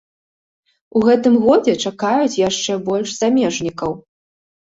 У гэтым годзе чакаюць яшчэ больш замежнікаў.